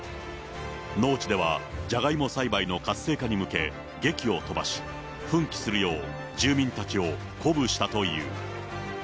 農地ではジャガイモ栽培の活性化に向けて、げきを飛ばし、奮起するよう住民たちを鼓舞したという。